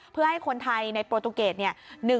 เพื่อให้คนไทยในโปรตูเกตเนี่ย